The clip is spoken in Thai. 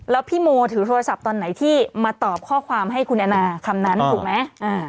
แล้วพี่โมถือโทรศัพท์ตอนไหนที่มาตอบข้อความให้คุณแอนนาคำนั้นถูกไหม